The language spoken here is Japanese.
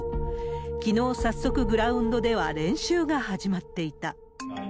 きのう、早速グラウンドでは練習が始まっていた。